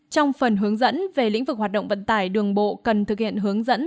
trong phần hướng dẫn về lĩnh vực hoạt động vận tải đường bộ cần thực hiện hướng dẫn